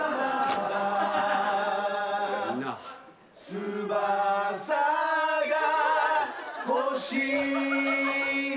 「翼がほしい」